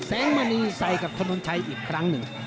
มณีใส่กับถนนชัยอีกครั้งหนึ่ง